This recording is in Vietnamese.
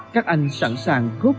các anh sẵn sàng góp